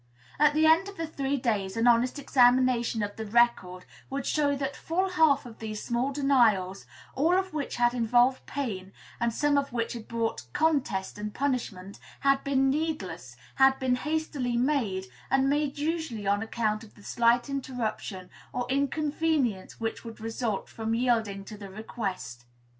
At the end of the three days, an honest examination of the record would show that full half of these small denials, all of which had involved pain, and some of which had brought contest and punishment, had been needless, had been hastily made, and made usually on account of the slight interruption or inconvenience which would result from yielding to the request.